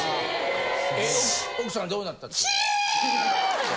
奥さんどうなったって？